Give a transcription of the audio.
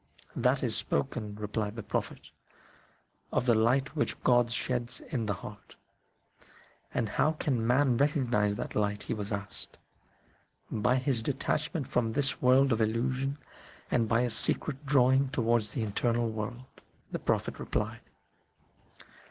" That is spoken," replied the Prophet, " of the light which God sheds in the heart." " And how can man recognise that light ?" he was asked. " By his detachment from this world of illusion and by a secret draw ing towards the eternal world," the Prophet replied.